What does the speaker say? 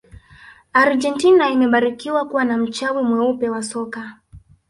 argentina imebarikiwa kuwa na mchawi mweupe wa soka